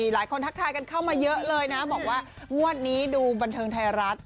ทักทายกันเข้ามาเยอะเลยนะบอกว่างวดนี้ดูบันเทิงไทยรัฐ